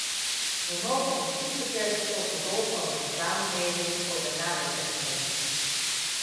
We mogen ons niet beperken tot de rol van reclamemedium voor de nanotechnologie.